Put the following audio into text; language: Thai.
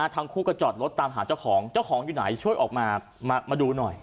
ทั้งคู่ก็จอดรถตามหาเจ้าของเจ้าของอยู่ไหนช่วยออกมามาดูหน่อย